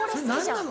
何なの？